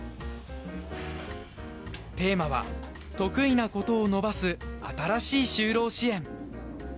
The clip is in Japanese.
テーマは「得意な事を伸ばす新しい就労支援」。